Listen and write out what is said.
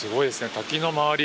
竹の周り